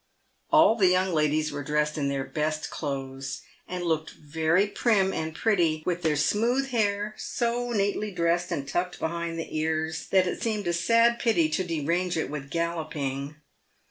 All the young ladies were dressed in their best clothes, and looked very prim and pretty, with their smooth hair so neatly dressed and tucked behind the ears that it seemed a sad pity to derange it with galloping.